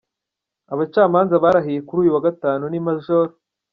Abacamanza barahiye kuri uyu wa Gatanu ni Maj.